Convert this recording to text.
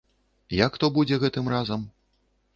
Як то будзе гэтым разам?